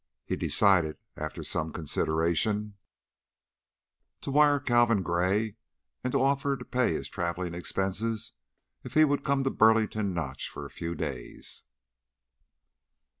He decided, after some consideration, to wire Calvin Gray and offer to pay his traveling expenses if he would come to Burlington Notch for a few days.